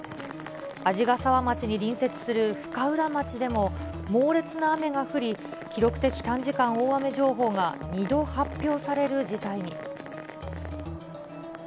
鰺ヶ沢町に隣接する深浦町でも、猛烈な雨が降り、記録的短時間大雨情報が２度発表される事態に。